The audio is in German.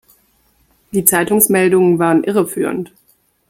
Die Zeitungsmeldungen waren irreführend.